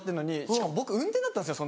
しかも僕運転だったんですよ